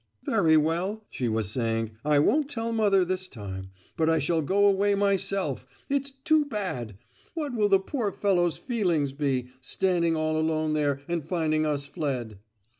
"Very well," she was saying, "I won't tell mother this time; but I shall go away myself: it's too bad! What will the poor fellow's feelings be, standing all alone there, and finding us fled!"